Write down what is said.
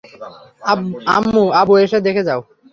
আম্মু, আব্বু, এসো দেখে যাও!